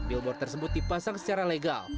billboard tersebut dipasang secara legal